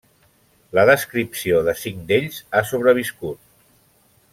La descripció de cinc d'ells ha sobreviscut.